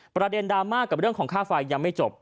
ประเด็นดราม่ากับเรื่องของค่าไฟยังไม่จบ